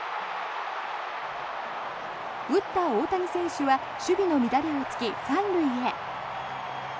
打った大谷選手は守備の乱れを突き、３塁へ。